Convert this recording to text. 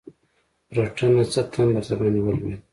رټنه؛ څه تندر درباندې ولوېد؟!